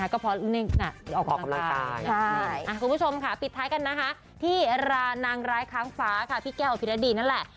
คุณผู้ชมค่ะปิดท้ายกันนะคะที่นางรายค้างฟ้าพี่แก้วพิฤษฎีนั่นแหละ